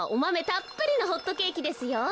たっぷりのホットケーキですよ。